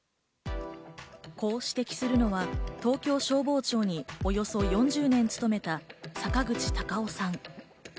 こう指摘するのは東京消防庁におよそ４０年勤めた、坂口隆夫さん。